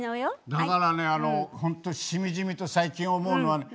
だからね本当しみじみと最近思うのはね